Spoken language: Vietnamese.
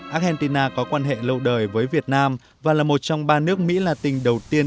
argentina có quan hệ lâu đời với việt nam và là một trong ba nước mỹ latin đầu tiên